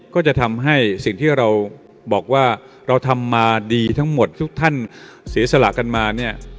ก็จะทำให้สิ่งที่เราบอกว่าเราทำมาดีทั้งหมดทุกท่านเสียสละกันมาเนี่ย